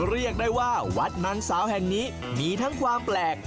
เรียกได้ว่าวัดนันสาวแห่งนี้มีทั้งความแปลก